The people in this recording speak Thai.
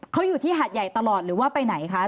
เขาอยู่ที่หาดใหญ่ตลอดหรือว่าไปยังไงครับ